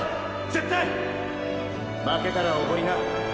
絶対負けたらおごりな！